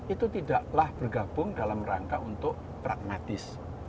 itu tidaklah bergabung dalam rangka untuk pragmatis